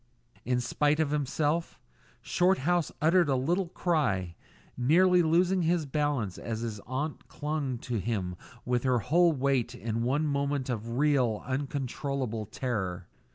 In spite of himself, Shorthouse uttered a little cry, nearly losing his balance as his aunt clung to him with her whole weight in one moment of real, uncontrollable terror.